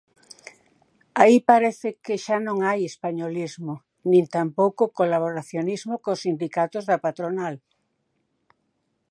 Aí parece que xa non hai españolismo, nin tampouco colaboracionismo cos sindicatos da patronal.